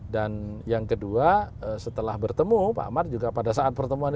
dan yang kedua setelah bertemu pak mar juga pada saat pertemuan itu